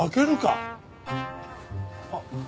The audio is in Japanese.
あっ。